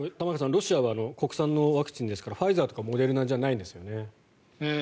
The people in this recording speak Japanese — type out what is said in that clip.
ロシアは国産のワクチンですからファイザーとかモデルナじゃないんですよね。